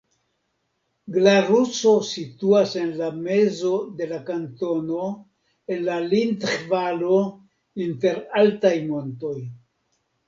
Glaruso situas en la mezo de la kantono en la Linth-Valo inter altaj montoj.